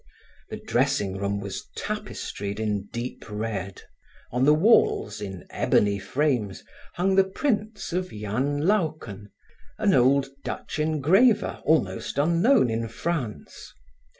The dressing room was tapestried in deep red. On the walls, in ebony frames, hung the prints of Jan Luyken, an old Dutch engraver almost unknown in France.